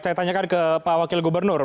saya tanyakan ke pak wakil gubernur